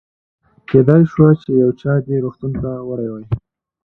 کېدای شوه چې یو چا دې روغتون ته وړی وي.